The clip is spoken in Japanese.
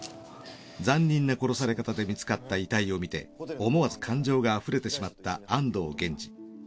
残忍な殺され方で見つかった遺体を見て思わず感情があふれてしまった安堂源次。